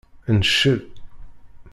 Ncel.